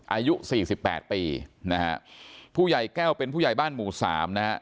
อายุ๔๘ปีนะฮะผู้ใหญ่แก้วเป็นผู้ใหญ่บ้านหมู่๓นะฮะ